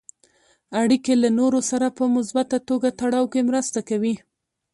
اړیکې له نورو سره په مثبته توګه تړاو کې مرسته کوي.